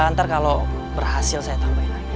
ntar kalau berhasil saya tambahin aja